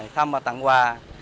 thăm và tặng quà